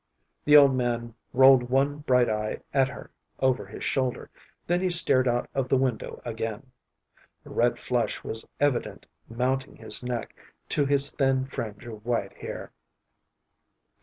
The old man rolled one bright eye at her over his shoulder, then he stared out of the window again. A red flush was evident mounting his neck to his thin fringe of white hair.